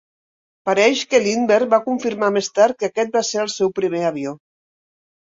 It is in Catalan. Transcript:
Pareix que Lindbergh va confirmar més tard que aquest va ser el seu primer avió.